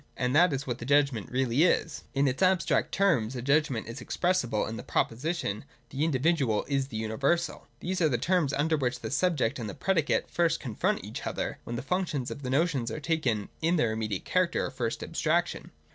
And that is what the Judgment really is. ' In its abstract terms a Judgment is expressible in the proposition :' The individual is the universal.' These are the terms under which the subject and the predi cate first confront each other, when the functions of the notion are taken in their immediate character or first abstraction.